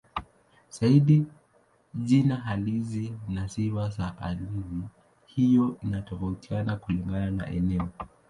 Zaidi jina halisi na sifa za hadithi hiyo hutofautiana kulingana na eneo.